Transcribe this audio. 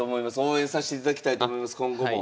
応援さしていただきたいと思います今後も。